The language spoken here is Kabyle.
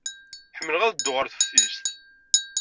Ḥemmleɣ ad dduɣ ɣer teftist.